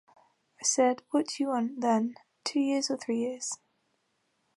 I said, 'What do you want, then, two years or three years?